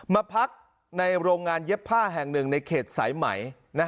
มาพักในโรงงานเย็บผ้าแห่งหนึ่งในเขตสายไหม